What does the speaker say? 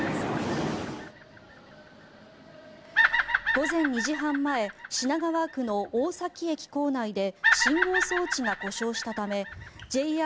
午前２時半前品川区の大崎駅構内で信号装置が故障したためＪＲ